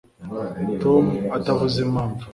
tom atavuze impamvu